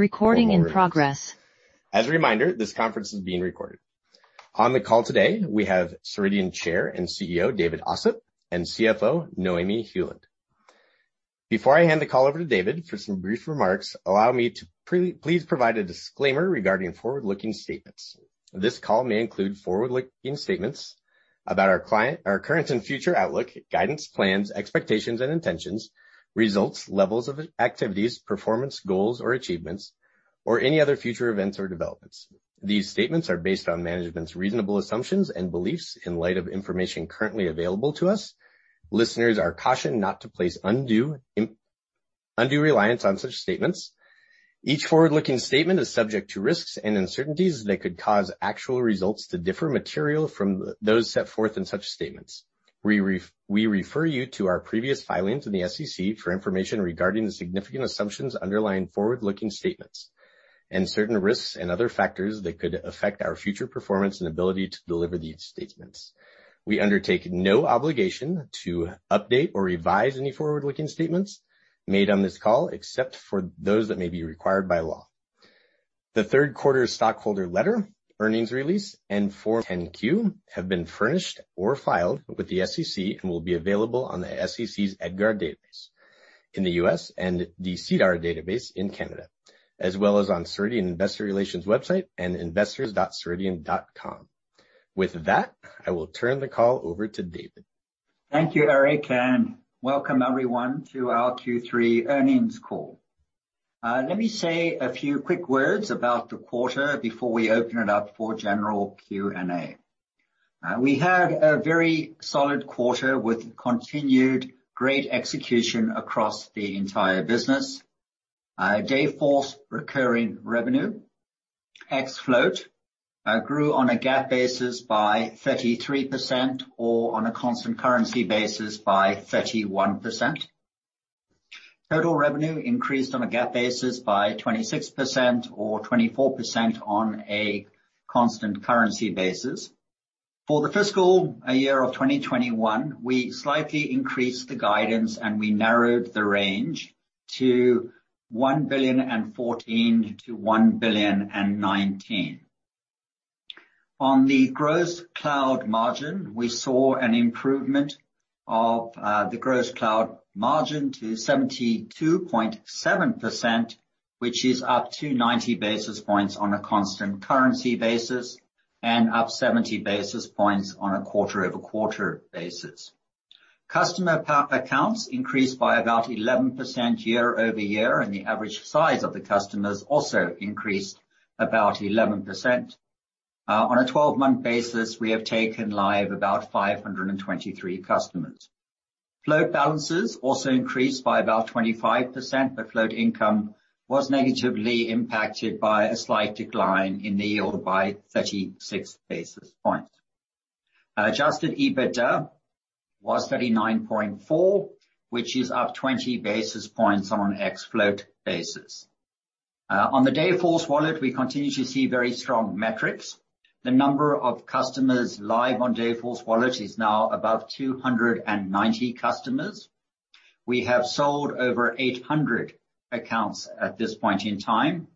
Recording in progress. As a reminder, this conference is being recorded. On the call today, we have Ceridian Chair and CEO, David Ossip, and CFO, Noémie Heuland. Before I hand the call over to David for some brief remarks, allow me to please provide a disclaimer regarding forward-looking statements. This call may include forward-looking statements about our client, our current and future outlook, guidance, plans, expectations and intentions, results, levels of activities, performance goals or achievements, or any other future events or developments. These statements are based on management's reasonable assumptions and beliefs in light of information currently available to us. Listeners are cautioned not to place undue reliance on such statements. Each forward-looking statement is subject to risks and uncertainties that could cause actual results to differ materially from those set forth in such statements. We, we refer you to our previous filings in the SEC for information regarding the significant assumptions underlying forward-looking statements and certain risks and other factors that could affect our future performance and ability to deliver these statements. We undertake no obligation to update or revise any forward-looking statements made on this call, except for those that may be required by law. The Q3 stockholder letter, earnings release, and Form 10-Q have been furnished or filed with the SEC and will be available on the SEC's EDGAR database in the U.S. and the SEDAR database in Canada, as well as on Ceridian investor relations website and investors.ceridian.com. With that, I will turn the call over to David. Thank you, Eric, and welcome everyone to our Q3 earnings call. Let me say a few quick words about the quarter before we open it up for general Q&A. We had a very solid quarter with continued great execution across the entire business. Dayforce recurring revenue ex float grew on a GAAP basis by 33% or on a constant currency basis by 31%. Total revenue increased on a GAAP basis by 26% or 24% on a constant currency basis. For the fiscal year of 2021, we slightly increased the guidance and we narrowed the range to $1.014 billion-$1.019 billion. On the gross cloud margin, we saw an improvement of the gross cloud margin to 72.7%, which is up 90 basis points on a constant currency basis and up 70 basis points on a quarter-over-quarter basis. Customer PA accounts increased by about 11% year-over-year, and the average size of the customers also increased about 11%. On a twelve-month basis, we have taken live about 523 customers. Float balances also increased by about 25%, but float income was negatively impacted by a slight decline in yield by 36 basis points. Adjusted EBITDA was 39.4%, which is up 20 basis points on an ex float basis. On the Dayforce Wallet, we continue to see very strong metrics. The number of customers live on Dayforce Wallet is now above 290 customers. We have sold over 800 accounts at this point in time.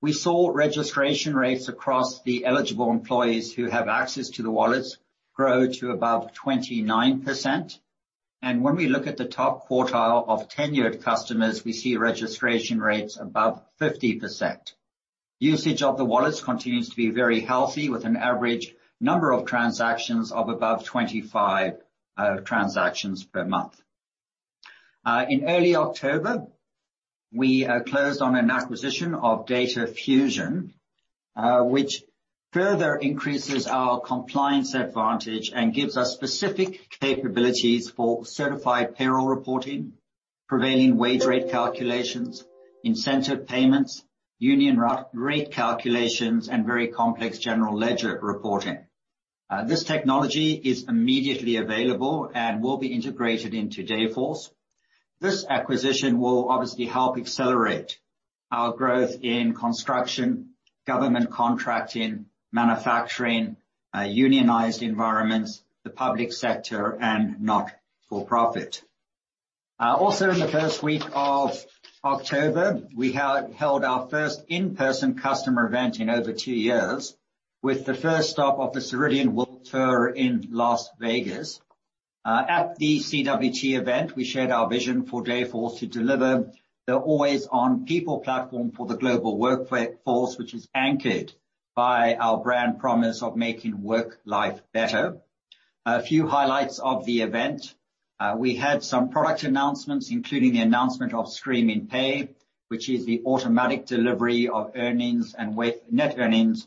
We saw registration rates across the eligible employees who have access to the wallets grow to above 29%. And when we look at the top quartile of tenured customers, we see registration rates above 50%. Usage of the wallets continues to be very healthy, with an average number of transactions of above 25 transactions per month. In early October, we closed on an acquisition of DataFuZion, which further increases our compliance advantage and gives us specific capabilities for certified payroll reporting, prevailing wage rate calculations, incentive payments, union rate calculations, and very complex general ledger reporting. This technology is immediately available and will be integrated into Dayforce. This acquisition will obviously help accelerate our growth in construction, government contracting, manufacturing, unionized environments, the public sector and not-for-profit. Also in the first week of October, we have held our first in-person customer event in over two years with the first stop of the Ceridian World Tour in Las Vegas. At the CWT event, we shared our vision for Dayforce to deliver the always on people platform for the global workforce, which is anchored by our brand promise of making work life better. A few highlights of the event. We had some product announcements, including the announcement of streaming pay, which is the automatic delivery of earnings and net earnings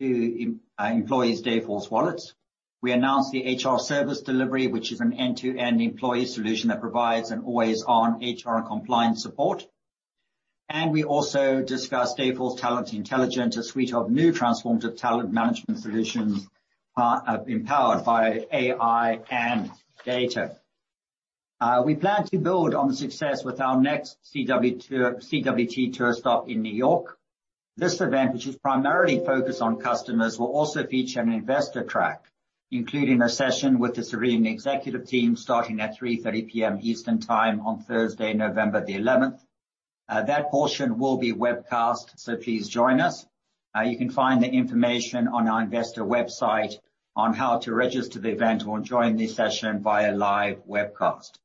to employees Dayforce Wallets. We announced the HR Service Delivery, which is an end-to-end employee solution that provides an always on HR and compliance support. And we also discussed Dayforce Talent Intelligence, a suite of new transformative talent management solutions, empowered by AI and data. We plan to build on the success with our next Ceridian World Tour stop in New York. This event, which is primarily focused on customers, will also feature an investor track, including a session with the Ceridian executive team starting at 3:30 P.M. Eastern Time on Thursday, November 11. That portion will be webcast, so please join us. You can find the information on our investor website on how to register the event or join the session via live webcast.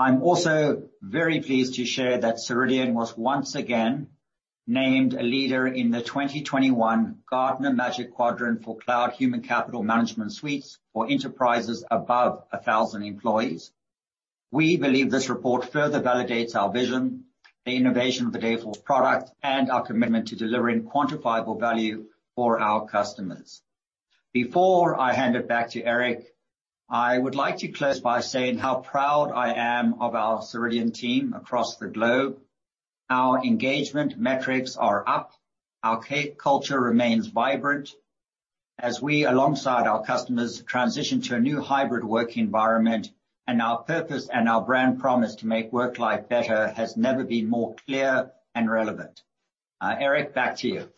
I'm also very pleased to share that Ceridian was once again named a leader in the 2021 Gartner Magic Quadrant for Cloud HCM Suites for 1,000+ Employee Enterprises. We believe this report further validates our vision, the innovation of the Dayforce product, and our commitment to delivering quantifiable value for our customers. Before I hand it back to Eric, I would like to close by saying how proud I am of our Ceridian team across the globe. Our engagement metrics are up. Our culture remains vibrant as we, alongside our customers, transition to a new hybrid work environment, and our purpose and our brand promise to make work life better has never been more clear and relevant. Eric, back to you.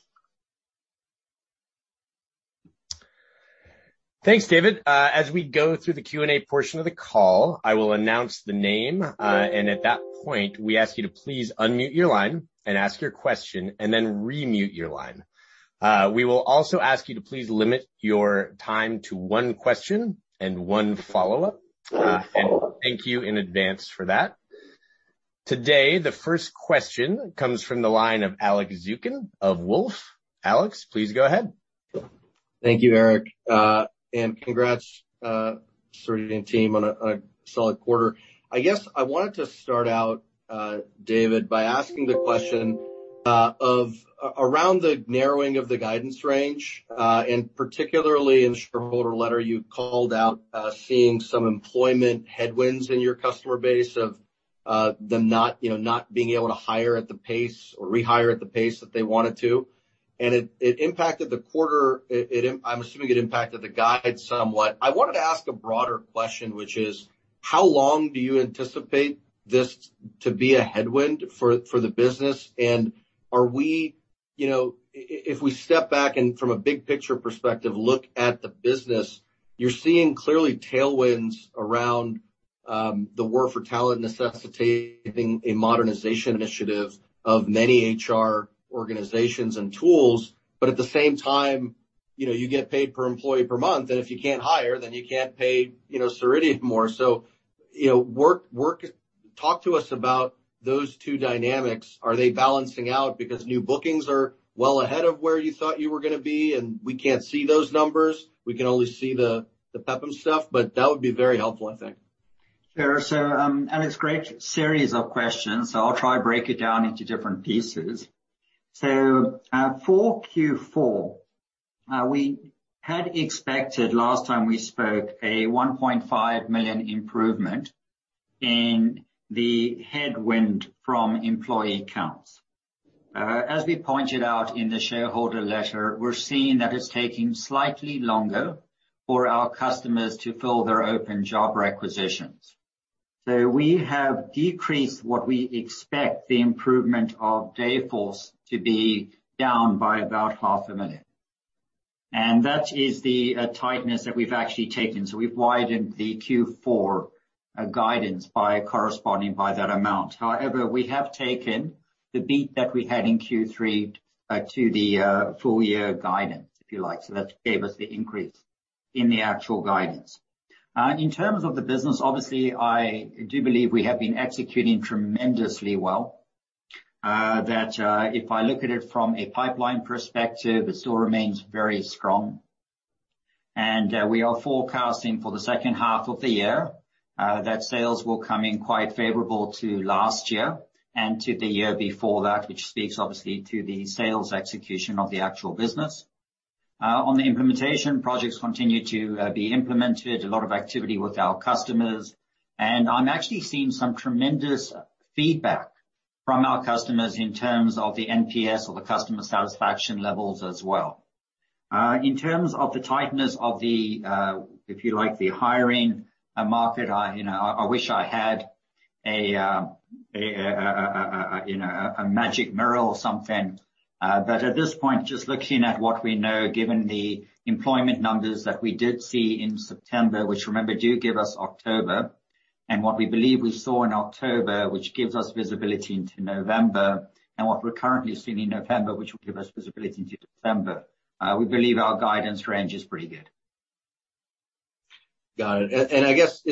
Thanks, David. As we go through the Q&A portion of the call, I will announce the name, and at that point, we ask you to please unmute your line and ask your question and then remute your line. We will also ask you to please limit your time to one question and one follow-up. One follow-up. Thank you in advance for that. Today, the first question comes from the line of Alex Zukin of Wolfe. Alex, please go ahead. Thank you, Eric. And congrats, Ceridian team on a solid quarter. I guess I wanted to start out, David, by asking the question of around the narrowing of the guidance range, and particularly in shareholder letter you called out, seeing some employment headwinds in your customer base of them not you know not being able to hire at the pace or rehire at the pace that they wanted to. And it impacted the quarter. I'm assuming it impacted the guide somewhat. I wanted to ask a broader question, which is how long do you anticipate this to be a headwind for the business? And are we... You know, if we step back and from a big picture perspective, look at the business, you're seeing clearly tailwinds around the war for talent necessitating a modernization initiative of many HR organizations and tools. But at the same time, you know, you get paid per employee per month, and if you can't hire, then you can't pay, you know, Ceridian more. So, work, work, talk to us about those two dynamics. Are they balancing out because new bookings are well ahead of where you thought you were gonna be, and we can't see those numbers. We can only see the PEPM and stuff, but that would be very helpful, I think. Sure, so Alex. It's a great series of questions, so I'll try to break it down into different pieces. So for Q4, we had expected last time we spoke a $1.5 million improvement in the headwind from employee counts. As we pointed out in the shareholder letter, we're seeing that it's taking slightly longer for our customers to fill their open job requisitions. We have decreased what we expect the improvement of Dayforce to be down by about $0.5 million. And that is the tightness that we've actually taken. So we've widened the Q4 guidance by a corresponding amount. However, we have taken the beat that we had in Q3 to the full year guidance, if you like. That gave us the increase in the actual guidance. In terms of the business, obviously, I do believe we have been executing tremendously well. That if I look at it from a pipeline perspective, it still remains very strong. And we are forecasting for the second half of the year that sales will come in quite favorable to last year and to the year before that, which speaks obviously to the sales execution of the actual business. On the implementation, projects continue to be implemented, a lot of activity with our customers, and I'm actually seeing some tremendous feedback from our customers in terms of the NPS or the customer satisfaction levels as well. In terms of the tightness of the, if you like, the hiring market, I, you know, wish I had a you know, a magic mirror or something. At this point, just looking at what we know, given the employment numbers that we did see in September, which remember, do give us October, and what we believe we saw in October, which gives us visibility into November, and what we're currently seeing in November, which will give us visibility into December, we believe our guidance range is pretty good. Got it. And I guess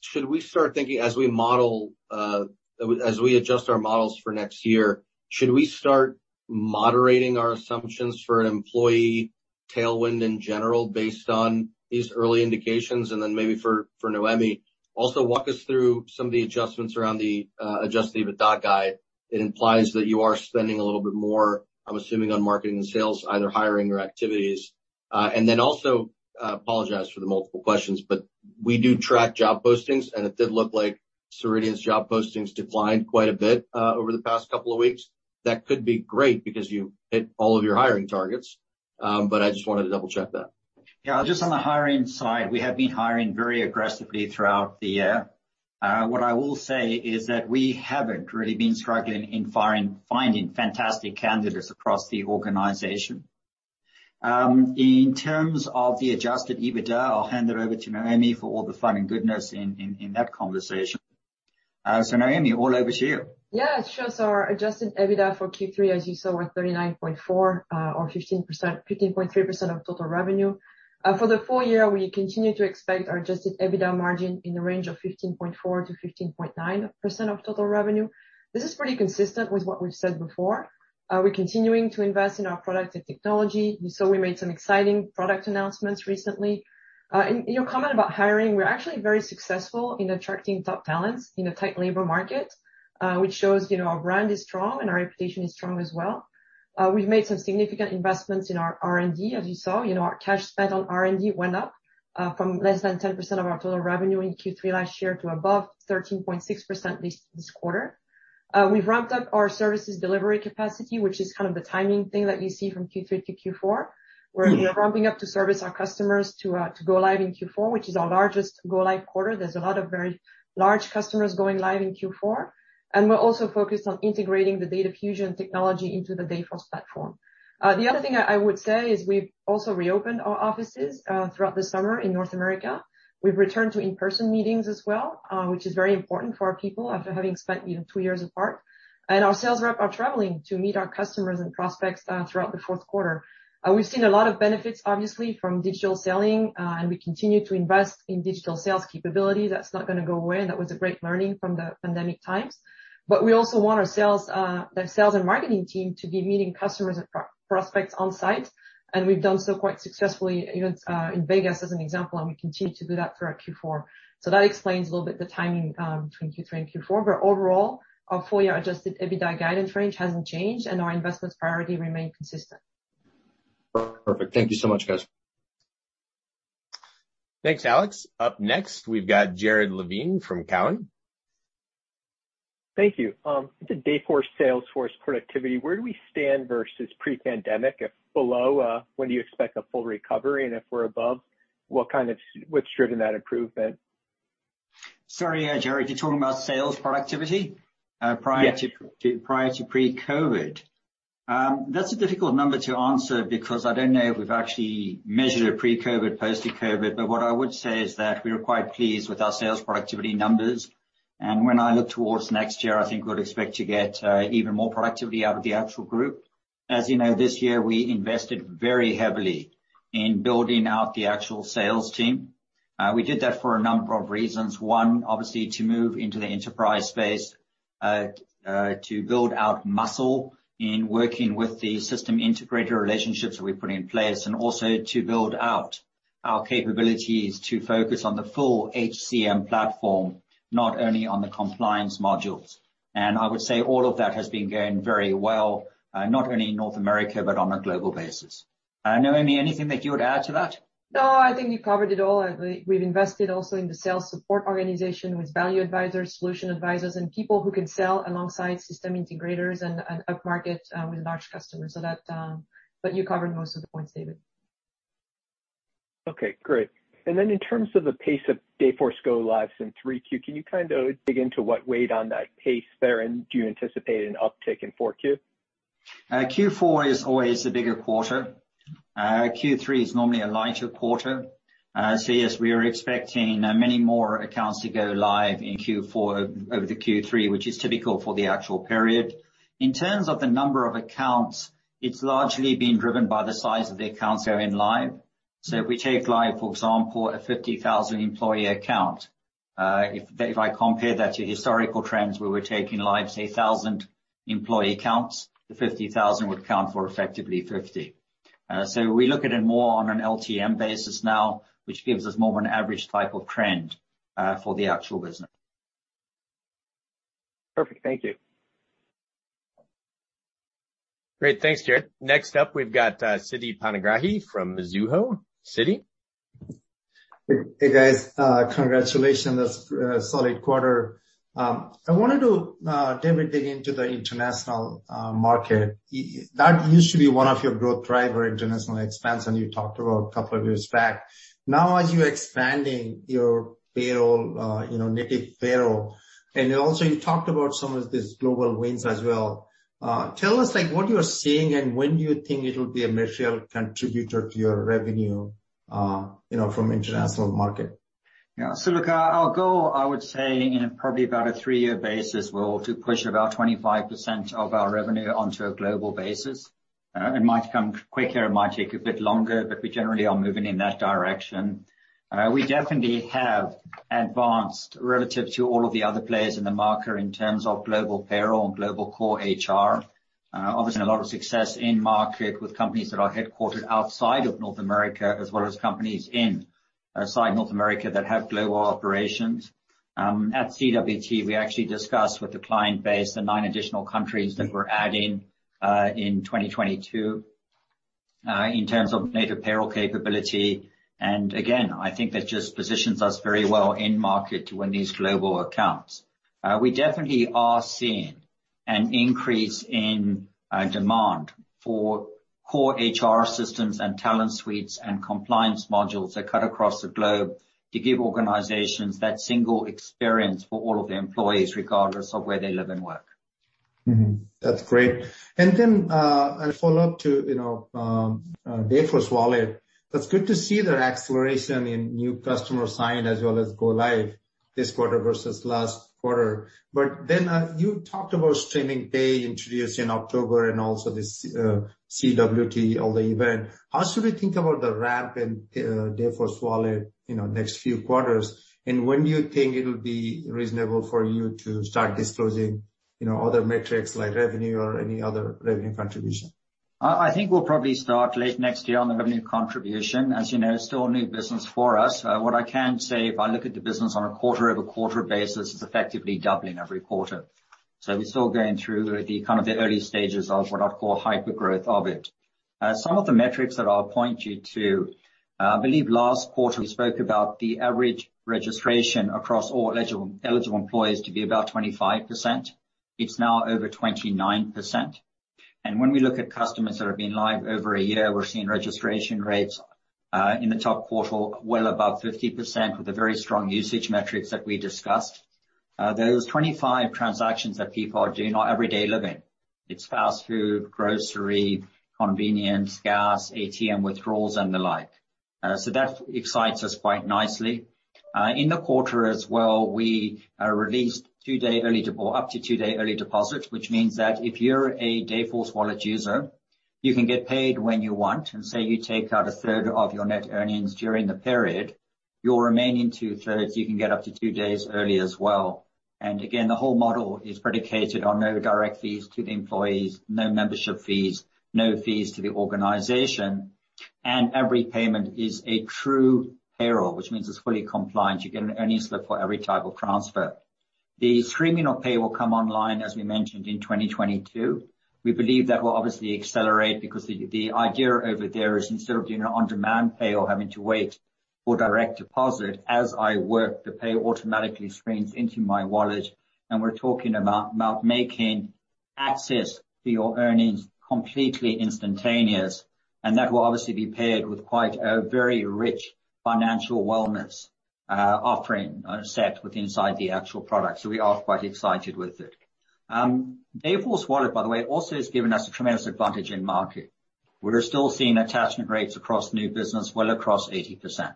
should we start thinking as we model, as we adjust our models for next year, should we start moderating our assumptions for an employee tailwind in general based on these early indications? And then maybe for Noémie, also walk us through some of the adjustments around the adjusted EBITDA guide. It implies that you are spending a little bit more, I'm assuming, on marketing and sales, either hiring or activities. And then also I apologize for the multiple questions, but we do track job postings, and it did look like Ceridian's job postings declined quite a bit over the past couple of weeks. That could be great because you hit all of your hiring targets. But I just wanted to double-check that. Yeah. Just on the hiring side, we have been hiring very aggressively throughout the year. What I will say is that we haven't really been struggling in finding fantastic candidates across the organization. In terms of the adjusted EBITDA, I'll hand it over to Noémie for all the fun and goodness in that conversation. So Noémie, all over to you. Yeah. Sure. Our adjusted EBITDA for Q3, as you saw, were 39.4, or 15.3% of total revenue. For the full year, we continue to expect our adjusted EBITDA margin in the range of 15.4%-15.9% of total revenue. This is pretty consistent with what we've said before. We're continuing to invest in our product and technology. You saw we made some exciting product announcements recently. And your comment about hiring, we're actually very successful in attracting top talents in a tight labor market, which shows, you know, our brand is strong and our reputation is strong as well. We've made some significant investments in our R&D, as you saw. You know, our cash spend on R&D went up from less than 10% of our total revenue in Q3 last year to above 13.6% this quarter. We've ramped up our services delivery capacity, which is kind of the timing thing that you see from Q3-Q4, where we are ramping up to service our customers to go live in Q4, which is our largest go live quarter. There's a lot of very large customers going live in Q4. And we're also focused on integrating the DataFuZion technology into the Dayforce platform. The other thing I would say is we've also reopened our offices throughout the summer in North America. We've returned to in-person meetings as well, which is very important for our people after having spent, you know, two years apart. And our sales rep are traveling to meet our customers and prospects throughout the Q4. We've seen a lot of benefits, obviously, from digital selling, and we continue to invest in digital sales capability. That's not gonna go away. That was a great learning from the pandemic times. But we also want our sales, the sales and marketing team to be meeting customers and prospects on site, and we've done so quite successfully, even in Vegas as an example, and we continue to do that throughout Q4. So that explains a little bit the timing between Q3 and Q4. Overall, our full year adjusted EBITDA guidance range hasn't changed, and our investments priority remain consistent. Perfect. Thank you so much, guys. Thanks, Alex. Up next, we've got Jared Levine from Cowen. Thank you. Into Dayforce sales force productivity, where do we stand versus pre-pandemic? If below, when do you expect a full recovery? And if we're above, what's driven that improvement? Sorry, Jared. You're talking about sales productivity, prior to- Yes. Prior to pre-COVID? That's a difficult number to answer because I don't know if we've actually measured a pre-COVID, post-COVID. What I would say is that we are quite pleased with our sales productivity numbers. And when I look towards next year, I think we'd expect to get even more productivity out of the actual group. As you know, this year we invested very heavily in building out the actual sales team. We did that for a number of reasons. One, obviously to move into the enterprise space, to build out muscle in working with the system integrator relationships that we're putting in place, and also to build out our capabilities to focus on the full HCM platform, not only on the compliance modules. And I would say all of that has been going very well, not only in North America, but on a global basis. Noémie, anything that you would add to that? No, I think you covered it all. We've invested also in the sales support organization with value advisors, solution advisors, and people who can sell alongside system integrators and upmarket with large customers. So that... But you covered most of the points, David. Okay, great. And then in terms of the pace of Dayforce go lives in 3Q, can you kind of dig into what weighed on that pace there, and do you anticipate an uptick in 4Q? Q4 is always the bigger quarter. Q3 is normally a lighter quarter. So yes, we are expecting many more accounts to go live in Q4 over the Q3, which is typical for the actual period. In terms of the number of accounts, it's largely been driven by the size of the accounts going live. So if we take live, for example, a 50,000-employee account, if I compare that to historical trends, where we're taking live, say, 1,000-employee accounts, the 50,000 would count for effectively 50. So we look at it more on an LTM basis now, which gives us more of an average type of trend for the actual business. Perfect. Thank you. Great. Thanks, Jared. Next up, we've got, Siti Panigrahi from Mizuho. Siti? Hey, hey guys, congratulations on this solid quarter. I wanted to, David, dig into the international market. That used to be one of your growth driver, international expansion, and you talked about a couple of years back. Now, as you're expanding your payroll, you know, native payroll, and also you talked about some of these global wins as well. Tell us, like, what you are seeing and when do you think it'll be a material contributor to your revenue, you know, from international market? Yeah. Look, our goal, I would say, in probably about a three-year basis, we'll look to push about 25% of our revenue onto a global basis. It might come quicker, it might take a bit longer, but we generally are moving in that direction. We definitely have advanced relative to all of the other players in the market in terms of global payroll and global core HR. Obviously, a lot of success in market with companies that are headquartered outside of North America, as well as companies inside North America that have global operations. At CWT, we actually discussed with the client base the nine additional countries that we're adding in 2022 in terms of native payroll capability. And again, I think that just positions us very well in market to win these global accounts. We definitely are seeing an increase in demand for core HR systems and talent suites and compliance modules that cut across the globe to give organizations that single experience for all of their employees, regardless of where they live and work. Mm-hmm. That's great. And then a follow-up to, you know, Dayforce Wallet. That's good to see their acceleration in new customer sign-ups as well as go-lives this quarter versus last quarter. But then you talked about streaming pay introduced in October and also this, CWT or the event. How should we think about the ramp in Dayforce Wallet, you know, next few quarters? And when you think it'll be reasonable for you to start disclosing, you know, other metrics like revenue or any other revenue contribution? I think we'll probably start late next year on the revenue contribution. As you know, still new business for us. What I can say, if I look at the business on a quarter-over-quarter basis, it's effectively doubling every quarter. So we're still going through the kind of the early stages of what I'd call hyper growth of it. Some of the metrics that I'll point you to, I believe last quarter we spoke about the average registration across all eligible employees to be about 25%. It's now over 29%. When we look at customers that have been live over a year, we're seeing registration rates in the top quartile, well above 50% with the very strong usage metrics that we discussed. Those 25 transactions that people are doing are everyday living. It's fast food, grocery, convenience, gas, ATM withdrawals, and the like. So that excites us quite nicely. In the quarter as well, we released up to two-day early deposits, which means that if you're a Dayforce Wallet user, you can get paid when you want. And say you take out a third of your net earnings during the period, your remaining two-thirds you can get up to two days early as well. And again, the whole model is predicated on no direct fees to the employees, no membership fees, no fees to the organization. And every payment is a true payroll, which means it's fully compliant. You get an earnings slip for every type of transfer. The streaming of pay will come online, as we mentioned, in 2022. We believe that will obviously accelerate because the idea over there is instead of doing an on-demand pay or having to wait for direct deposit, as I work, the pay automatically streams into my wallet. And we're talking about making access to your earnings completely instantaneous, and that will obviously be paired with quite a very rich financial wellness offering set with inside the actual product. So we are quite excited with it. Dayforce Wallet, by the way, also has given us a tremendous advantage in market. We're still seeing attachment rates across new business well across 80%.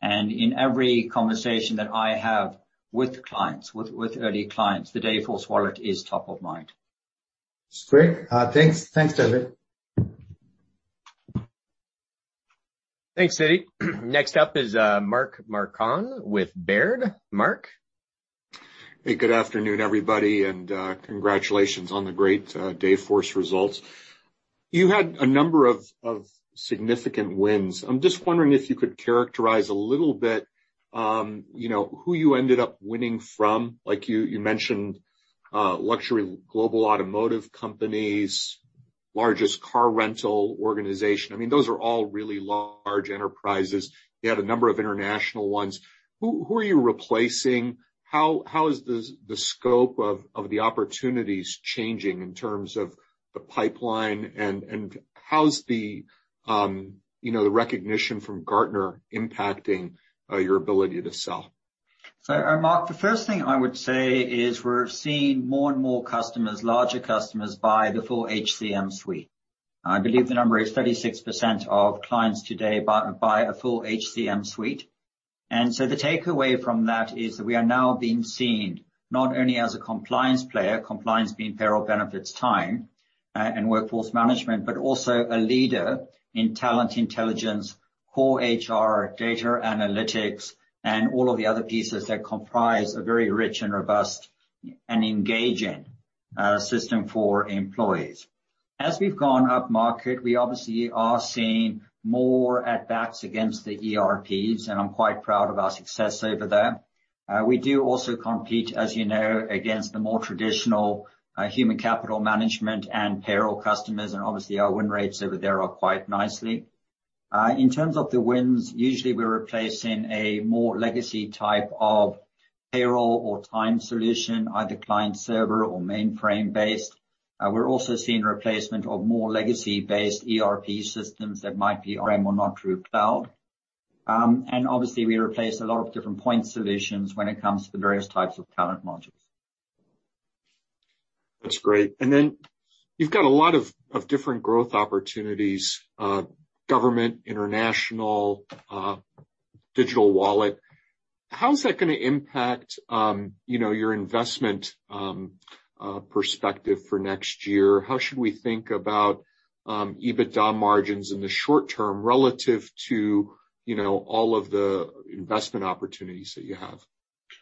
And in every conversation that I have with clients with early clients, the Dayforce Wallet is top of mind. That's great. Thanks. Thanks, David. Thanks, Siti. Next up is Mark Marcon with Baird. Mark? Hey, good afternoon, everybody, and congratulations on the great Dayforce results. You had a number of, of significant wins. I'm just wondering if you could characterize a little bit, you know, who you ended up winning from. Like, you mentioned luxury global automotive companies, largest car rental organization. I mean, those are all really large enterprises. You had a number of international ones. Who are you replacing? How is the scope of the opportunities changing in terms of the pipeline? And how's the, you know, the recognition from Gartner impacting your ability to sell? So Mark, the first thing I would say is we're seeing more and more customers, larger customers buy the full HCM suite. I believe the number is 36% of clients today buy a full HCM suite. And so the takeaway from that is that we are now being seen not only as a compliance player, compliance being payroll, benefits, time, and workforce management, but also a leader in talent intelligence, core HR, data analytics, and all of the other pieces that comprise a very rich and robust and engaging system for employees. As we've gone upmarket, we obviously are seeing more add-backs against the ERPs, and I'm quite proud of our success over there. We do also compete, as you know, against the more traditional human capital management and payroll customers, and obviously our win rates over there are quite nicely. In terms of the wins, usually we're replacing a more legacy type of payroll or time solution, either client server or mainframe-based. We're also seeing replacement of more legacy-based ERP systems that might be on or not through cloud. And obviously we replace a lot of different point solutions when it comes to the various types of talent modules. That's great. And then you've got a lot of different growth opportunities, government, international, digital wallet. How is that gonna impact, you know, your investment perspective for next year? How should we think about EBITDA margins in the short term relative to, you know, all of the investment opportunities that you have?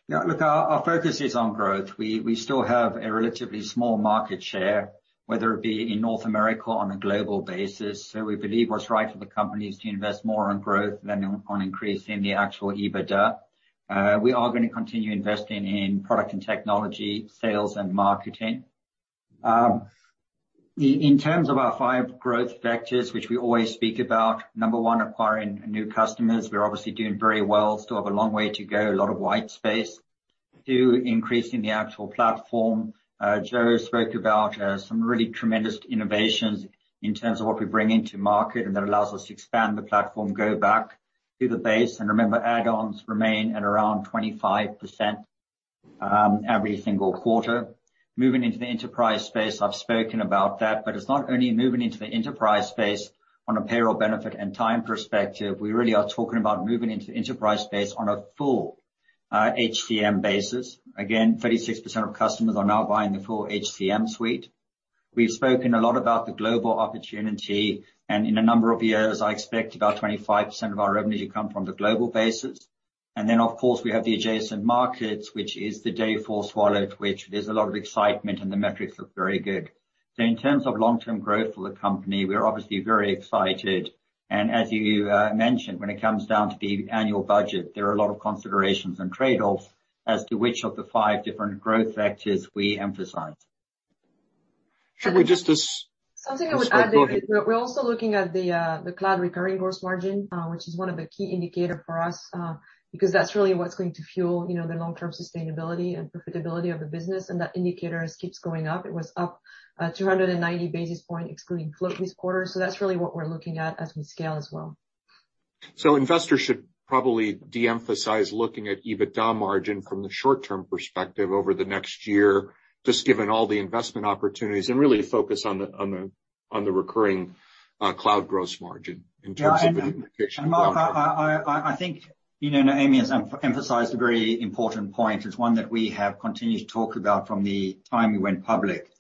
Yeah. Look, our focus is on growth. We still have a relatively small market share, whether it be in North America or on a global basis. So we believe what's right for the company is to invest more on growth than on increasing the actual EBITDA. We are gonna continue investing in product and technology, sales and marketing. In terms of our five growth factors, which we always speak about, number one, acquiring new customers. We're obviously doing very well. Still have a long way to go, a lot of white space. Two, increasing the actual platform. Joe spoke about some really tremendous innovations in terms of what we bring into market, and that allows us to expand the platform, go back to the base. Remember, add-ons remain at around 25% every single quarter. Moving into the enterprise space, I've spoken about that, but it's not only moving into the enterprise space on a payroll benefit and time perspective. We really are talking about moving into the enterprise space on a full HCM basis. Again, 36% of customers are now buying the full HCM suite. We've spoken a lot about the global opportunity, and in a number of years, I expect about 25% of our revenue to come from the global basis. And then, of course, we have the adjacent markets, which is the Dayforce Wallet, which there's a lot of excitement, and the metrics look very good. In terms of long-term growth for the company, we are obviously very excited. And as you mentioned, when it comes down to the annual budget, there are a lot of considerations and trade-offs as to which of the five different growth factors we emphasize. Should we just as- Something I would add there. Go ahead. We're also looking at the cloud recurring gross margin, which is one of the key indicator for us, because that's really what's going to fuel, you know, the long-term sustainability and profitability of the business. And that indicator keeps going up. It was up 290 basis point excluding float this quarter. That's really what we're looking at as we scale as well. So investors should probably de-emphasize looking at EBITDA margin from the short-term perspective over the next year, just given all the investment opportunities, and really focus on the recurring cloud gross margin in terms of an indication of. And Mark, I, I, I, I think, you know, Noemi has emphasized a very important point. It's one that we have continued to talk about from the time we went public,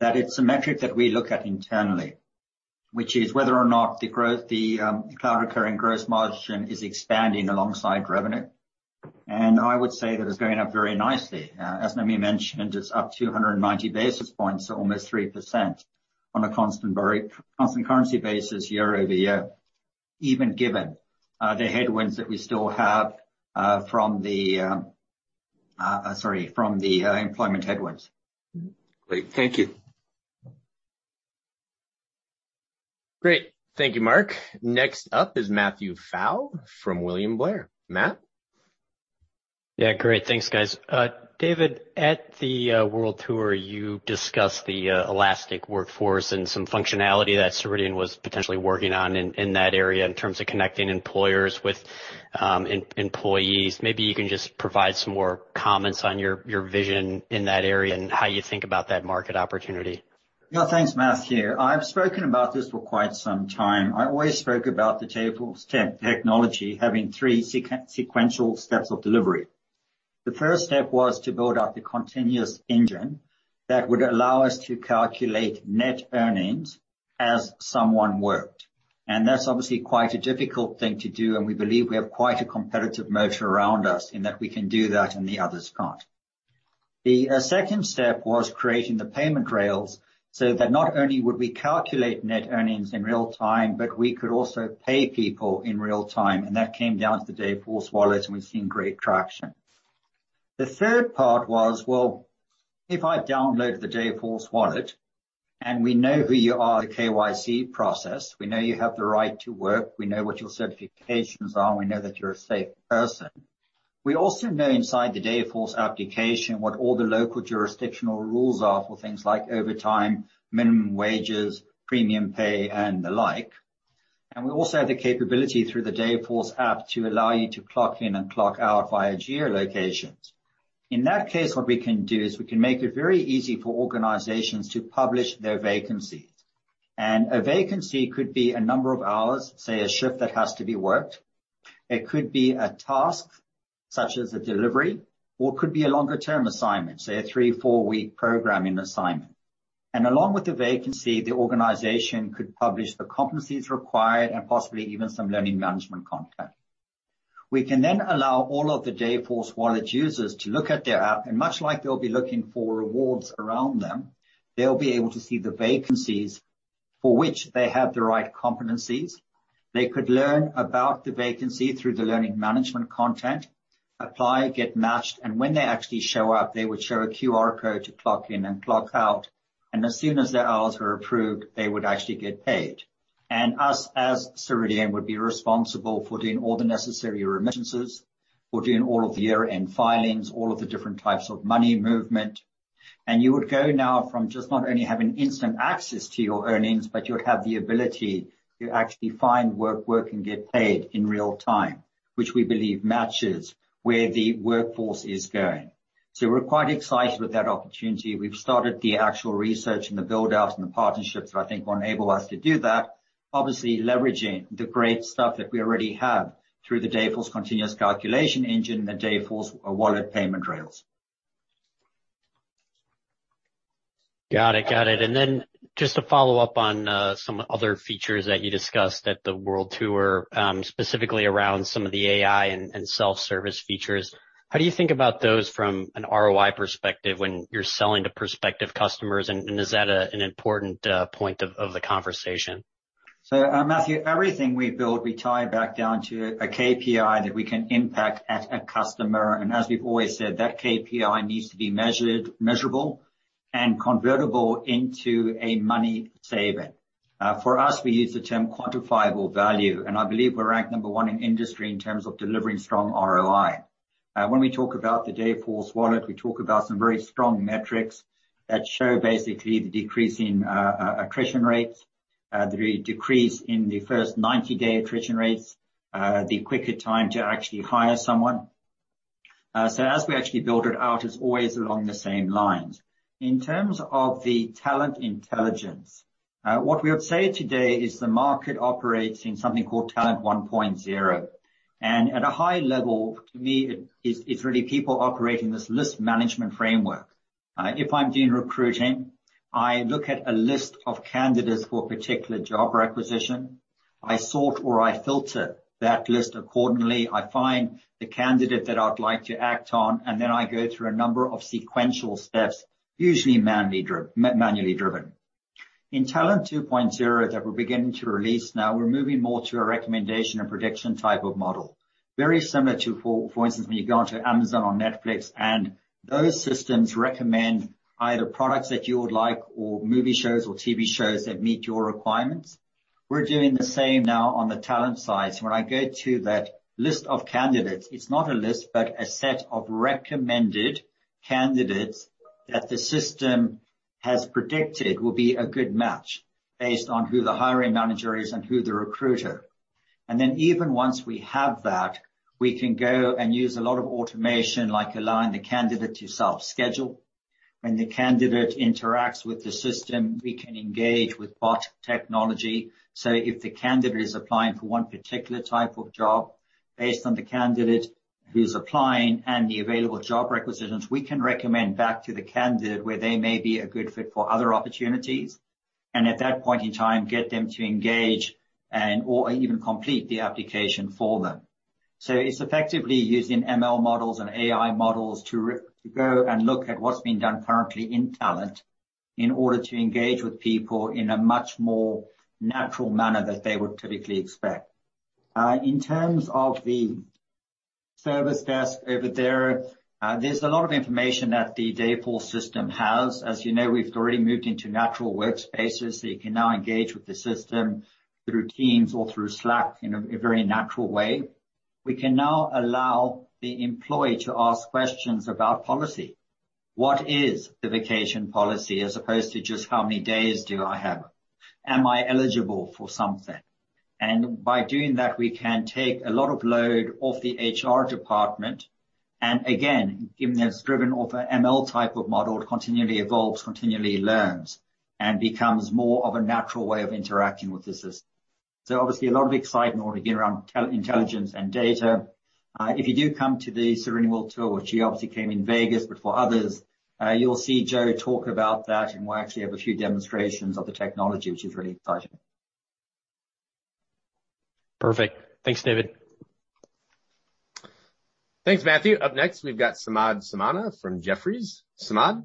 that it's a metric that we look at internally, which is whether or not the growth, the cloud recurring gross margin is expanding alongside revenue. And I would say that it's going up very nicely. As Noemi mentioned, it's up 290 basis points, so almost 3% on a constant currency basis year over year, even given the headwinds that we still have from the sorry, from the employment headwinds. Great. Thank you. Great. Thank you, Mark. Next up is Matthew Pfau from William Blair. Matt? Yeah. Great. Thanks, guys. David, at the World Tour, you discussed the elastic workforce and some functionality that Ceridian was potentially working on in that area in terms of connecting employers with employees. Maybe you can just provide some more comments on your vision in that area and how you think about that market opportunity. Yeah. Thanks, Matthew. I've spoken about this for quite some time. I always spoke about the Dayforce technology having three sequential steps of delivery. The first step was to build out the continuous engine that would allow us to calculate net earnings as someone worked. And that's obviously quite a difficult thing to do, and we believe we have quite a competitive moat around us in that we can do that, and the others can't. The second step was creating the payment rails so that not only would we calculate net earnings in real time, but we could also pay people in real time, and that came down to the Dayforce Wallet, and we've seen great traction. The third part was, well, if I download the Dayforce Wallet and we know who you are, the KYC process, we know you have the right to work, we know what your certifications are, and we know that you're a safe person. We also know inside the Dayforce application what all the local jurisdictional rules are for things like overtime, minimum wages, premium pay, and the like. We also have the capability through the Dayforce app to allow you to clock in and clock out via geo locations. In that case, what we can do is we can make it very easy for organizations to publish their vacancies. And a vacancy could be a number of hours, say a shift that has to be worked. It could be a task such as a delivery, or it could be a longer-term assignment, say a three- or four-week programming assignment. Along with the vacancy, the organization could publish the competencies required and possibly even some learning management content. We can then allow all of the Dayforce Wallet users to look at their app, and much like they'll be looking for rewards around them, they'll be able to see the vacancies for which they have the right competencies. They could learn about the vacancy through the learning management content, apply, get matched, and when they actually show up, they would show a QR code to clock in and clock out. And as soon as their hours were approved, they would actually get paid. And as, as Ceridian, would be responsible for doing all the necessary remittances, for doing all of the year-end filings, all of the different types of money movement. And you would go now from just not only having instant access to your earnings, but you would have the ability to actually find work, and get paid in real time, which we believe matches where the workforce is going. So we're quite excited with that opportunity. We've started the actual research and the build out and the partnerships that I think will enable us to do that, obviously leveraging the great stuff that we already have through the Dayforce continuous calculation engine and the Dayforce Wallet payment rails. Got it, got it. And then just to follow up on some other features that you discussed at the World Tour, specifically around some of the AI and self-service features. How do you think about those from an ROI perspective when you're selling to prospective customers, and is that an important point of the conversation? So Matthew, everything we build, we tie back down to a KPI that we can impact at a customer. As we've always said, that KPI needs to be measured, measurable and convertible into a money saving. For us, we use the term quantifiable value, and I believe we're ranked number one in industry in terms of delivering strong ROI. And when we talk about the Dayforce Wallet, we talk about some very strong metrics that show basically the decreasing attrition rates, the decrease in the first 90-day attrition rates, the quicker time to actually hire someone. As we actually build it out, it's always along the same lines. In terms of the Talent Intelligence, what we would say today is the market operates in something called Talent 1.0. And at a high level, to me, it's really people operating this list management framework. If I'm doing recruiting, I look at a list of candidates for a particular job requisition. I sort or I filter that list accordingly. I find the candidate that I'd like to act on, and then I go through a number of sequential steps, usually manually driven. In Talent 2.0 that we're beginning to release now, we're moving more to a recommendation and prediction type of model. Very similar to, for instance, when you go onto Amazon or Netflix and those systems recommend either products that you would like or movie shows or TV shows that meet your requirements. We're doing the same now on the talent side. When I go to that list of candidates, it's not a list, but a set of recommended candidates that the system has predicted will be a good match based on who the hiring manager is and who the recruiter. And then even once we have that, we can go and use a lot of automation, like allowing the candidate to self-schedule. And the candidate interacts with the system, we can engage with bot technology. So if the candidate is applying for one particular type of job based on the candidate who's applying and the available job requisitions, we can recommend back to the candidate where they may be a good fit for other opportunities, and at that point in time get them to engage and or even complete the application for them. So it's effectively using ML models and AI models to go and look at what's being done currently in Talent in order to engage with people in a much more natural manner that they would typically expect. In terms of the service desk over there's a lot of information that the Dayforce system has. As you know, we've already moved into natural workspaces, so you can now engage with the system through Teams or through Slack in a very natural way. We can now allow the employee to ask questions about policy. What is the vacation policy as opposed to just how many days do I have? Am I eligible for something? And by doing that, we can take a lot of load off the HR department, and again, given that it's driven off a ML type of model, it continually evolves, continually learns, and becomes more of a natural way of interacting with the system. So obviously a lot of excitement already around Talent Intelligence and data. If you do come to the Ceridian World Tour, which you obviously came in Vegas, but for others, you'll see Joe talk about that, and we'll actually have a few demonstrations of the technology, which is really exciting. Perfect. Thanks, David. Thanks, Matthew. Up next, we've got Samad Samana from Jefferies. Samad?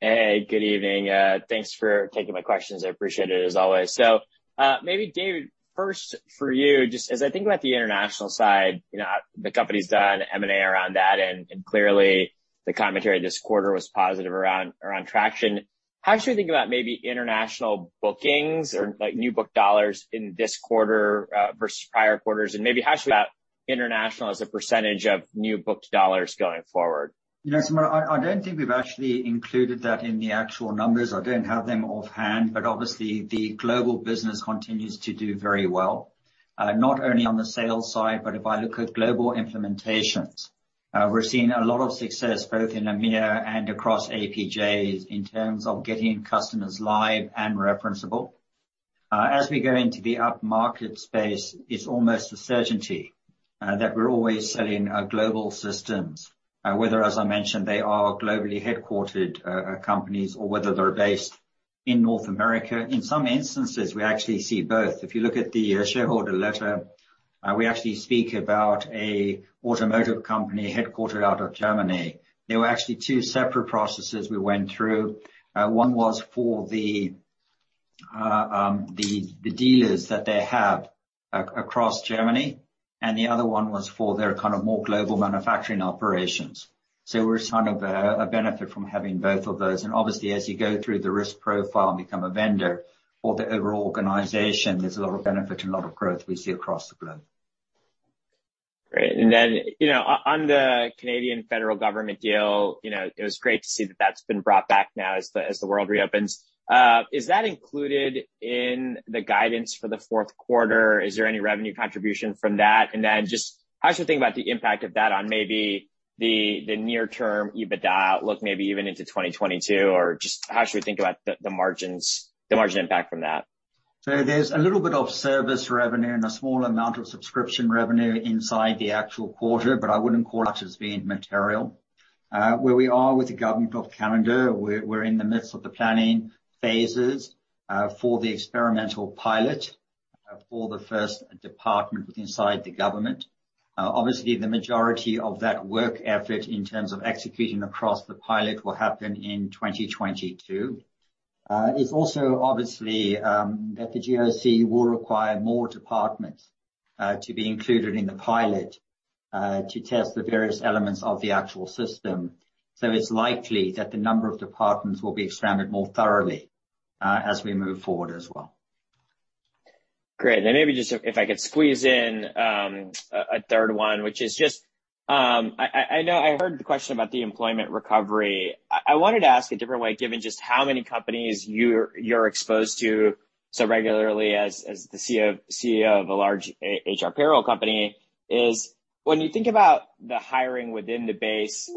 Hey, good evening. Thanks for taking my questions. I appreciate it as always. So, maybe David, first for you, just as I think about the international side, you know, the company's done M&A around that, and clearly the commentary this quarter was positive around traction. How should we think about maybe international bookings or like new booked dollars in this quarter, versus prior quarters? And maybe how should we think about international as a percentage of new booked dollars going forward? You know, Samad, I don't think we've actually included that in the actual numbers. I don't have them offhand, but obviously the global business continues to do very well, not only on the sales side, but if I look at global implementations, we're seeing a lot of success both in EMEA and across APJs in terms of getting customers live and referenceable. As we go into the up-market space, it's almost a certainty that we're always selling global systems, whether as I mentioned, they are globally headquartered companies or whether they're based in North America. In some instances, we actually see both. If you look at the shareholder letter, we actually speak about an automotive company headquartered out of Germany. There were actually two separate processes we went through. One was for the dealers that they have across Germany, and the other one was for their kind of more global manufacturing operations. It was kind of a benefit from having both of those. Obviously, as you go through the risk profile and become a vendor for the overall organization, there's a lot of benefit and a lot of growth we see across the globe. Great. And then, you know, on the Canadian federal government deal, you know, it was great to see that that's been brought back now as the world reopens. Is that included in the guidance for the Q4? Is there any revenue contribution from that? And I... Just how should we think about the impact of that on maybe the near term EBITDA outlook, maybe even into 2022, or just how should we think about the margins, the margin impact from that? So there's a little bit of service revenue and a small amount of subscription revenue inside the actual quarter, but I wouldn't call that as being material. Where we are with the Government of Canada, we're in the midst of the planning phases for the experimental pilot for the first department inside the government. Obviously, the majority of that work effort in terms of executing across the pilot will happen in 2022. It's also obviously that the GOC will require more departments to be included in the pilot to test the various elements of the actual system. So it's likely that the number of departments will be expanded more thoroughly as we move forward as well. Great. And then maybe just if I could squeeze in a third one, which is just I know I heard the question about the employment recovery. I wanted to ask a different way, given just how many companies you're exposed to so regularly as the CEO of a large HR payroll company is when you think about the hiring within the base,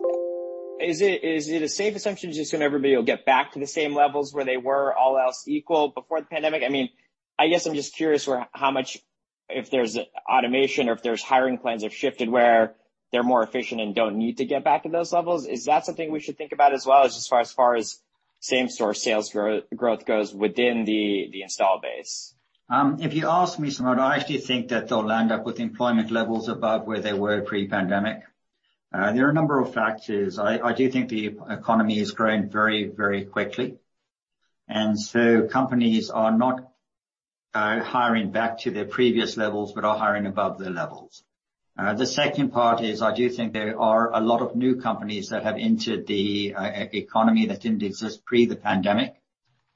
is it a safe assumption to assume everybody will get back to the same levels where they were all else equal before the pandemic? I mean, I guess I'm just curious where, how much. If there's automation or if there's hiring plans have shifted where they're more efficient and don't need to get back to those levels, is that something we should think about as well as far as same-store sales growth goes within the install base? If you ask me, Samad, I actually think that they'll end up with employment levels above where they were pre-pandemic. There are a number of factors. I do think the economy is growing very, very quickly, and so companies are not hiring back to their previous levels, but are hiring above their levels. The second part is, I do think there are a lot of new companies that have entered the economy that didn't exist pre the pandemic,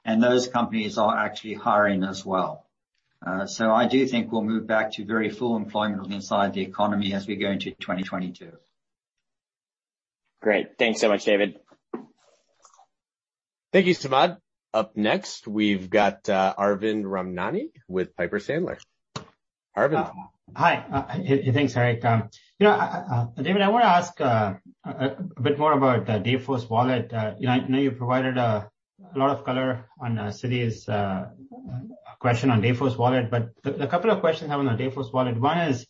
and those companies are actually hiring as well. So I do think we'll move back to very full employment inside the economy as we go into 2022. Great. Thanks so much, David. Thank you, Samad. Up next, we've got Arvind Ramnani with Piper Sandler. Arvind. Hi. Thanks, Eric. You know, David, I wanna ask a bit more about the Dayforce Wallet. You know, I know you provided a lot of color on Siti's question on Dayforce Wallet, but a couple of questions I have on the Dayforce Wallet. One is,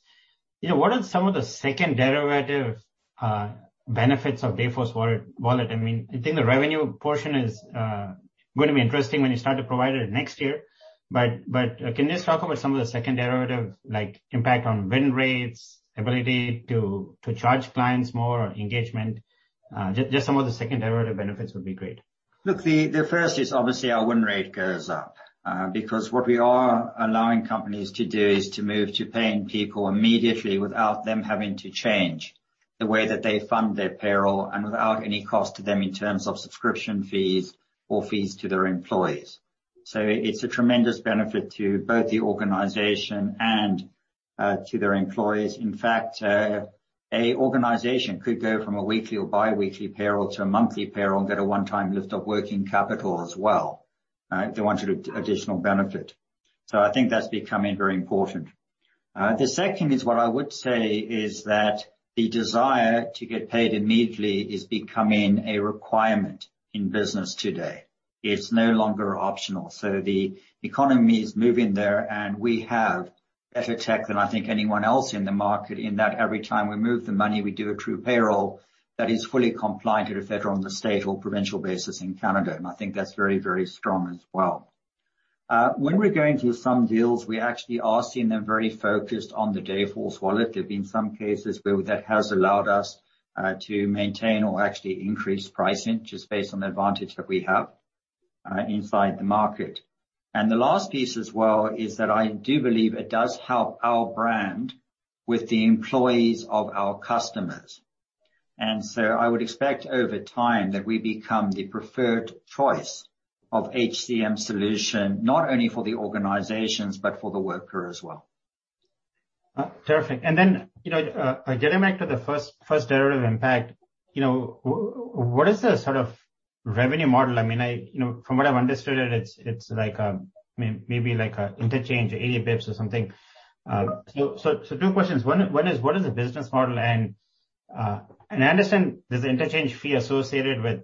you know, what are some of the second derivative benefits of Dayforce Wallet? I mean, I think the revenue portion is gonna be interesting when you start to provide it next year. But, but can you just talk about some of the second derivative, like impact on win rates, ability to charge clients more or engagement? Just some of the second derivative benefits would be great. Look, the first is obviously our win rate goes up, because what we are allowing companies to do is to move to paying people immediately without them having to change the way that they fund their payroll and without any cost to them in terms of subscription fees or fees to their employees. So it's a tremendous benefit to both the organization and to their employees. In fact, a organization could go from a weekly or bi-weekly payroll to a monthly payroll and get a one-time lift of working capital as well if they want to do additional benefit. I think that's becoming very important. The second is what I would say is that the desire to get paid immediately is becoming a requirement in business today. It's no longer optional. So the economy is moving there, and we have better tech than I think anyone else in the market in that every time we move the money, we do a true payroll that is fully compliant at a federal and state or provincial basis in Canada. I think that's very, very strong as well. When we're going through some deals, we actually are seeing them very focused on the Dayforce Wallet. There have been some cases where that has allowed us to maintain or actually increase pricing just based on the advantage that we have inside the market. And the last piece as well is that I do believe it does help our brand with the employees of our customers. And so I would expect over time that we become the preferred choice of HCM solution, not only for the organizations, but for the worker as well. Terrific. And then, you know, getting back to the first derivative impact, you know, what is the sort of revenue model? I mean, you know, from what I've understood it's like maybe like a interchange PEPM or something. So two questions. One is what is the business model? And I understand there's an interchange fee associated with,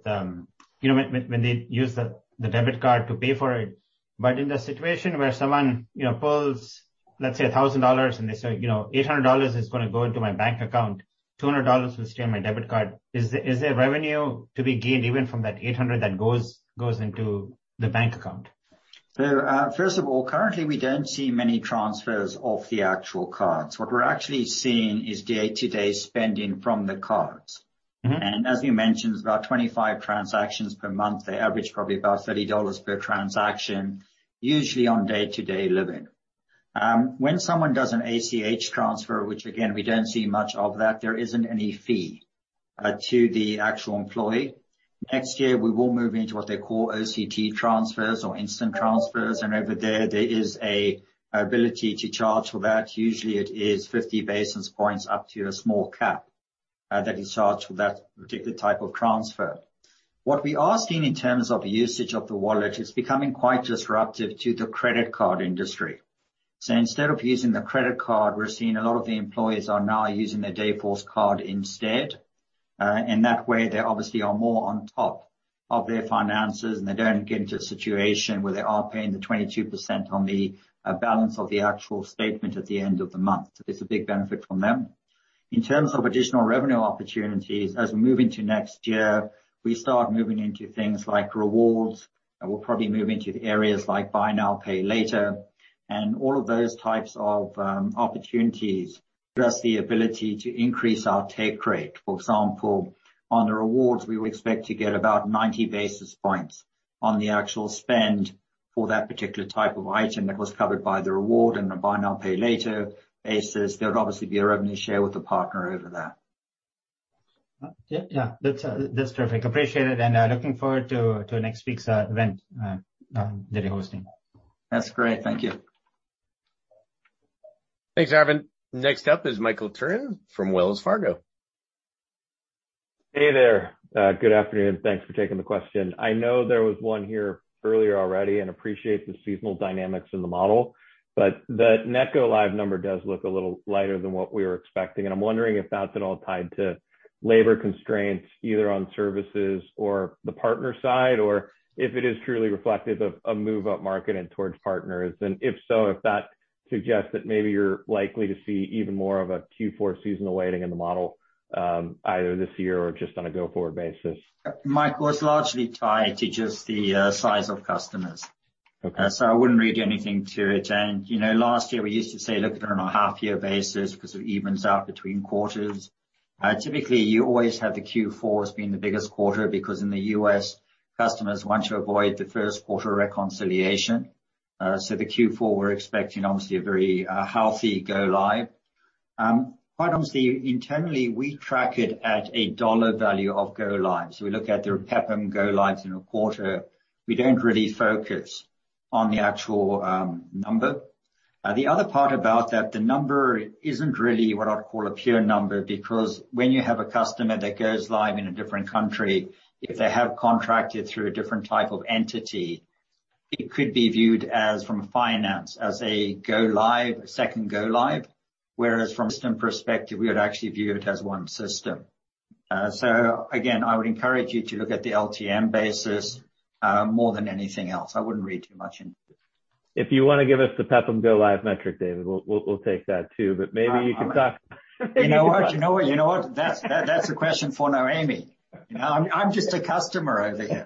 you know, when they use the debit card to pay for it. But in the situation where someone, you know, pulls, let's say, $1,000, and they say, you know, $800 is gonna go into my bank account, $200 will stay on my debit card. Is there revenue to be gained even from that $800 that goes into the bank account? First of all, currently we don't see many transfers off the actual cards. What we're actually seeing is day-to-day spending from the cards. Mm-hmm. And as you mentioned, it's about 25 transactions per month. They average probably about $30 per transaction, usually on day-to-day living. When someone does an ACH transfer, which again, we don't see much of that, there isn't any fee to the actual employee. Next year, we will move into what they call OCT transfers or instant transfers, and over there is an ability to charge for that. Usually, it is 50 basis points up to a small cap that is charged for that particular type of transfer. What we are seeing in terms of usage of the wallet, it's becoming quite disruptive to the credit card industry. So instead of using the credit card, we're seeing a lot of the employees are now using their Dayforce card instead. And that way, they obviously are more on top of their finances, and they don't get into a situation where they are paying the 22% on the balance of the actual statement at the end of the month. It's a big benefit from them. In terms of additional revenue opportunities, as we move into next year, we start moving into things like rewards. We'll probably move into the areas like buy now, pay later. And all of those types of opportunities gives us the ability to increase our take rate. For example, on the rewards, we would expect to get about 90 basis points on the actual spend for that particular type of item that was covered by the reward and the buy now pay later basis. There would obviously be a revenue share with the partner over there. Yeah. That's terrific. Appreciate it, and looking forward to next week's event that you're hosting. That's great. Thank you. Thanks, Arvind. Next up is Michael Turrin from Wells Fargo. Hey there. Good afternoon. Thanks for taking the question. I know there was one here earlier already, and appreciate the seasonal dynamics in the model, but the net go live number does look a little lighter than what we were expecting. I'm wondering if that's at all tied to labor constraints, either on services or the partner side, or if it is truly reflective of a move up market and towards partners. And if so, if that suggests that maybe you're likely to see even more of a Q4 seasonal weighting in the model, either this year or just on a go-forward basis. Mike, well, it's largely tied to just the size of customers. Okay. So I wouldn't read anything to it. Last year we used to say, look at it on a half year basis 'cause it evens out between quarters. Typically you always have the Q4 as being the biggest quarter because in the U.S., customers want to avoid the Q1 reconciliation. So the Q4 we're expecting obviously a very healthy go live. Quite honestly, internally we track it at a dollar value of go lives. We look at the PEPM and go lives in a quarter. We don't really focus on the actual number. The other part about that, the number isn't really what I'd call a pure number, because when you have a customer that goes live in a different country, if they have contracted through a different type of entity, it could be viewed as from a finance as a go live, a second go live, whereas from system perspective, we would actually view it as one system. So again, I would encourage you to look at the LTM basis more than anything else. I wouldn't read too much into it. If you wanna give us the PEP and go live metric, David, we'll take that too. Maybe you can talk- You know what, you know what? That's, that's a question for Noémie. You know, I'm just a customer over here.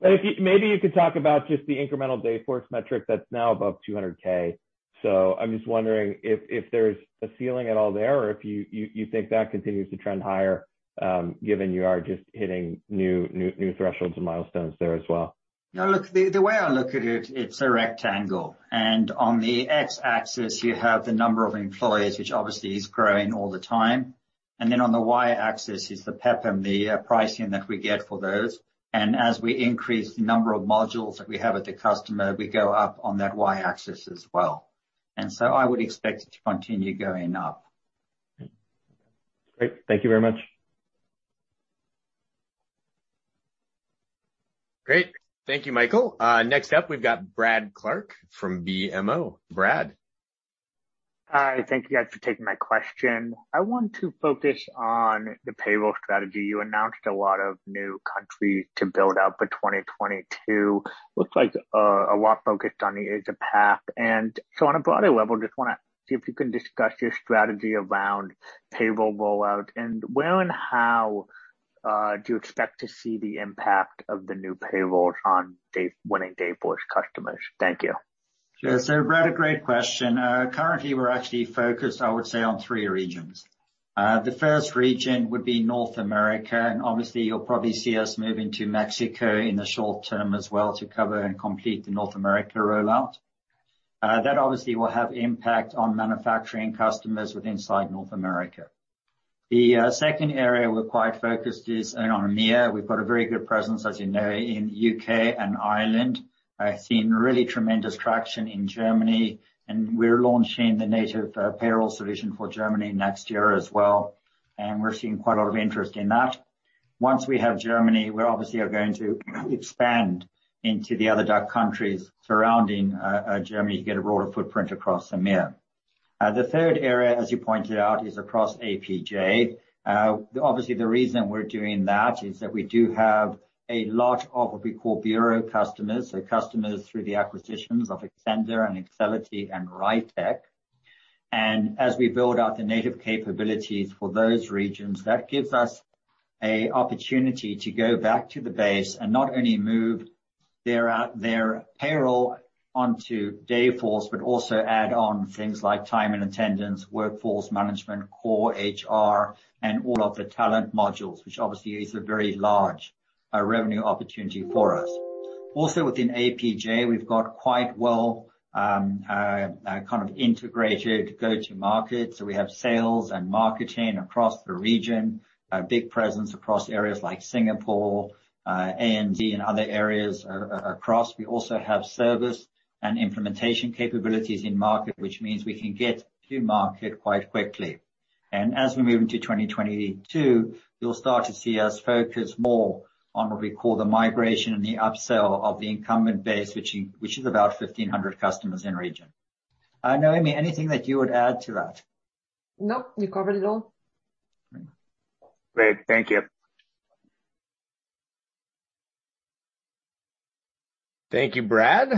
If you maybe you could talk about just the incremental Dayforce metric that's now above 200K.So I'm just wondering if there's a ceiling at all there or if you think that continues to trend higher, given you are just hitting new thresholds and milestones there as well. No, look, the way I look at it's a rectangle. And on the X-axis, you have the number of employees, which obviously is growing all the time. And then on the Y-axis is the PEPM and the pricing that we get for those. And as we increase the number of modules that we have with the customer, we go up on that Y-axis as well. And so I would expect it to continue going up. Great. Thank you very much. Great. Thank you, Michael. Next up we've got Brad Clark from BMO. Brad? Hi. Thank you guys for taking my question. I want to focus on the payroll strategy. You announced a lot of new countries to build out for 2022. Looks like a lot focused on the Asia-Pac. And so on a broader level, just wanna see if you can discuss your strategy around payroll rollout and where and how do you expect to see the impact of the new payrolls on Dayforce-winning Dayforce customers? Thank you. Yes. Brad, a great question. Currently we're actually focused, I would say, on three regions. The first region would be North America, and obviously you'll probably see us moving to Mexico in the short term as well to cover and complete the North America rollout. That obviously will have impact on manufacturing customers within North America. The second area we're quite focused is on EMEA. We've got a very good presence, as you know, in U.K. and Ireland, seeing really tremendous traction in Germany, and we're launching the native payroll solution for Germany next year as well, and we're seeing quite a lot of interest in that. Once we have Germany, we obviously are going to expand into the other countries surrounding Germany to get a broader footprint across EMEA. The third area as you pointed out is across APJ. Obviously the reason we're doing that is that we do have a lot of what we call bureau customers, so customers through the acquisitions of Ascender and Excelity and RITEQ. And as we build out the native capabilities for those regions, that gives us an opportunity to go back to the base and not only move their payroll onto Dayforce, but also add on things like time and attendance, workforce management, core HR, and all of the talent modules, which obviously is a very large revenue opportunity for us. Also within APJ, we've got quite well kind of integrated go-to-market. So we have sales and marketing across the region, a big presence across areas like Singapore, ANZ and other areas across. We also have service and implementation capabilities in market, which means we can get to market quite quickly. And as we move into 2022, you'll start to see us focus more on what we call the migration and the upsell of the incumbent base, which is about 1,500 customers in region. Noémie, anything that you would add to that? Nope, you covered it all. Great. Great. Thank you. Thank you, Brad.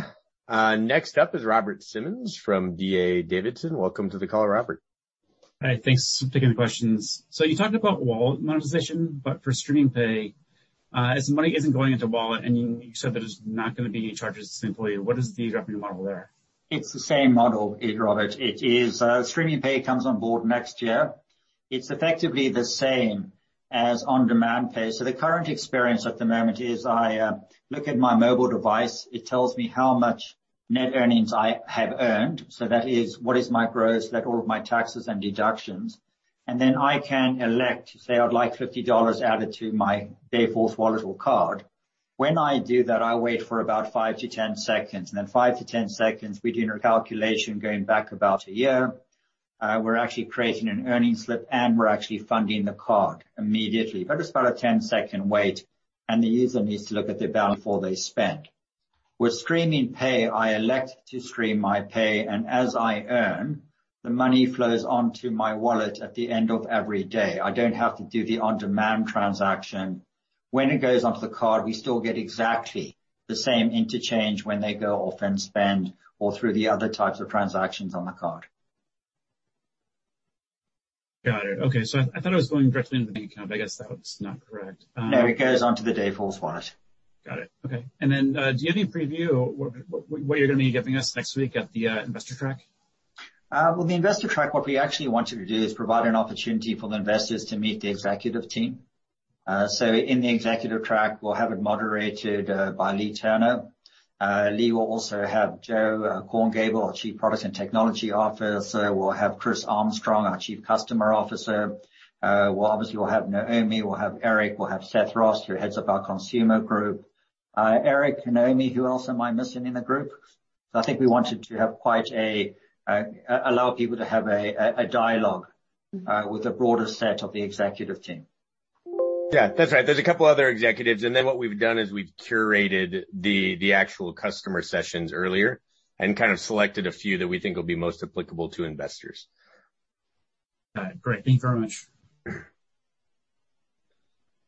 Next up is Robert Simmons from D.A. Davidson. Welcome to the call, Robert. Hi. Thanks. I'm taking the questions. So you talked about wallet monetization, but for streaming pay, as the money isn't going into wallet, and you said that it's not gonna be charged to the employee, what is the revenue model there? It's the same model, Robert. It is, streaming pay comes on board next year. It's effectively the same as on-demand pay. The current experience at the moment is I look at my mobile device, it tells me how much net earnings I have earned, so that is what is my gross, net of all of my taxes and deductions. And then I can elect, say I'd like $50 added to my Dayforce Wallet or card. When I do that, I wait for about five-10 seconds, and in five-10 seconds, we do a recalculation going back about a year. We're actually creating an earnings slip, and we're actually funding the card immediately. It's about a 10-second wait, and the user needs to look at their balance before they spend. With streaming pay, I elect to stream my pay, and as I earn, the money flows onto my wallet at the end of every day. I don't have to do the on-demand transaction. When it goes onto the card, we still get exactly the same interchange when they go off and spend or through the other types of transactions on the card. Got it. Okay. I thought it was going directly into the bank account, but I guess that was not correct. No, it goes onto the Dayforce Wallet. Got it. Okay. And then do you have any preview what you're gonna be giving us next week at the investor track? Well, the investor track, what we actually want you to do is provide an opportunity for the investors to meet the executive team. So in the executive track, we'll have it moderated by Leagh Turner. Leagh will also have Joe Korngiebel, our Chief Product and Technology Officer. We'll have Chris Armstrong, our Chief Customer Officer. We'll obviously have Noemi, we'll have Eric, we'll have Seth Ross, who heads up our consumer group. Eric, Noemi, who else am I missing in the group? I think we wanted to allow people to have a dialogue with a broader set of the executive team. Yeah, that's right. There's a couple of other executives, and then what we've done is we've curated the actual customer sessions earlier and kind of selected a few that we think will be most applicable to investors. All right, great. Thank you very much.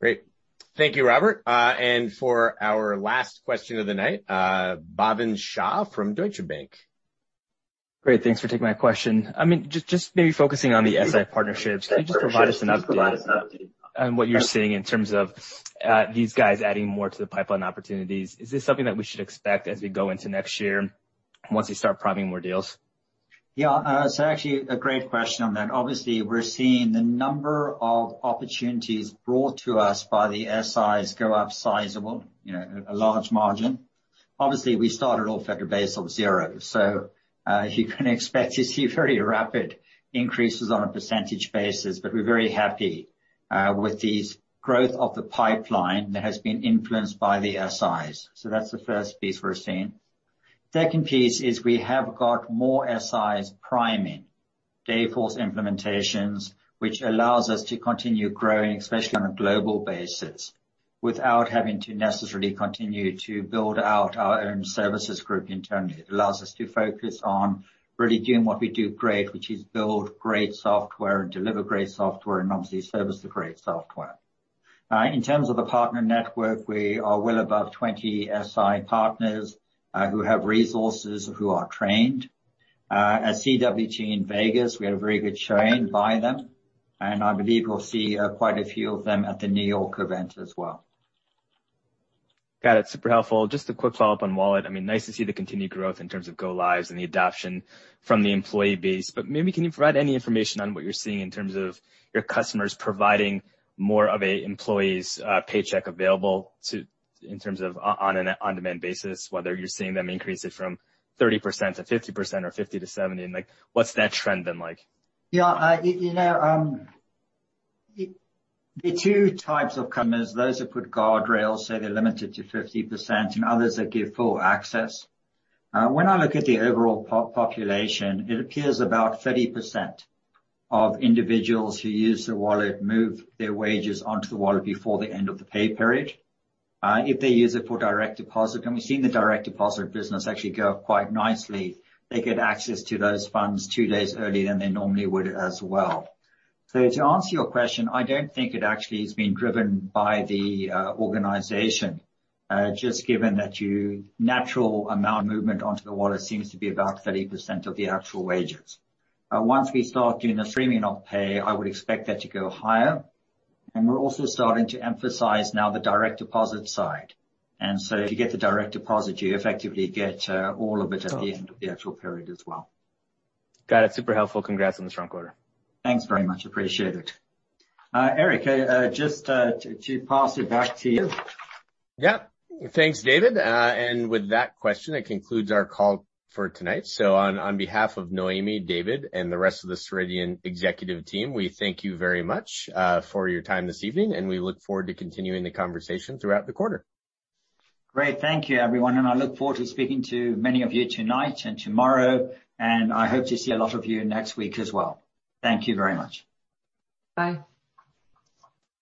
Great. Thank you, Robert. For our last question of the night, Bhavin Shah from Deutsche Bank. Great. Thanks for taking my question. I mean, just maybe focusing on the SI partnerships, can you just provide us an update on what you're seeing in terms of these guys adding more to the pipeline opportunities? Is this something that we should expect as we go into next year once we start priming more deals? Yeah. So actually a great question on that. Obviously, we're seeing the number of opportunities brought to us by the SIs go up sizable, you know, a large margin. Obviously, we started off at a base of zero. You can expect to see very rapid increases on a percentage basis. But we're very happy with the growth of the pipeline that has been influenced by the SIs. So that's the first piece we're seeing. Second piece is we have got more SIs priming Dayforce implementations, which allows us to continue growing, especially on a global basis, without having to necessarily continue to build out our own services group internally. It allows us to focus on really doing what we do great, which is build great software and deliver great software, and obviously service the great software. In terms of the partner network, we are well above 20 SI partners, who have resources, who are trained. At CWT in Vegas, we had a very good showing by them, and I believe we'll see quite a few of them at the New York event as well. Got it. Super helpful. Just a quick follow-up on Wallet. I mean, nice to see the continued growth in terms of go lives and the adoption from the employee base. But maybe, can you provide any information on what you're seeing in terms of your customers providing more of an employee's paycheck available to in terms of on an on-demand basis, whether you're seeing them increase it from 30% to 50% or 50% to 70%? Like, what's that trend been like? Yeah. You know, the two types of customers, those who put guardrails, so they're limited to 50% and others that give full access. When I look at the overall population, it appears about 30% of individuals who use the wallet move their wages onto the wallet before the end of the pay period. If they use it for direct deposit, and we've seen the direct deposit business actually go up quite nicely, they get access to those funds two days earlier than they normally would as well. To answer your question, I don't think it actually is being driven by the organization. Just given that your natural amount movement onto the wallet seems to be about 30% of the actual wages. Once we start doing the streaming of pay, I would expect that to go higher. And we're also starting to emphasize now the direct deposit side. If you get the direct deposit, you effectively get all of it at the end of the actual period as well. Got it. Super helpful. Congrats on the strong quarter. Thanks very much. Appreciate it. Eric, just to pass it back to you. Yes. Thanks, David. With that question, it concludes our call for tonight. On behalf of Noémie, David, and the rest of the Ceridian executive team, we thank you very much for your time this evening, and we look forward to continuing the conversation throughout the quarter. Great. Thank you, everyone, and I look forward to speaking to many of you tonight and tomorrow, and I hope to see a lot of you next week as well. Thank you very much. Bye.